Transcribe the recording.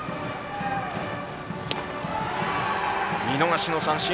見逃しの三振！